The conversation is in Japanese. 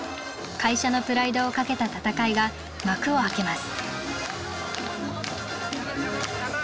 会社のプライドを懸けた戦いが幕を開けます。